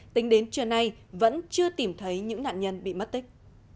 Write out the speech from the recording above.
tính đến trưa nay vẫn chưa tìm thấy những nạn nhân bị mất tích